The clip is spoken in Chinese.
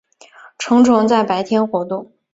成虫在白天活动。